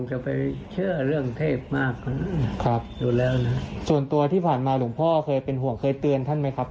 วิปราศนากรรมฐานมันก็ยังคงไว้ยังดีครับ